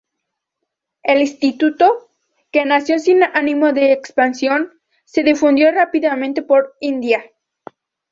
El Instituto, que nació sin ánimo de expansión, se difundió rápidamente por India.